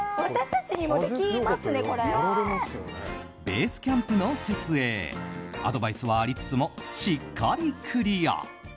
ベースキャンプの設営アドバイスはありつつもしっかりクリア。